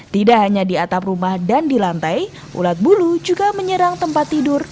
tidak hanya di atap rumah dan di lantai ulat bulu juga menyerang tempat tidur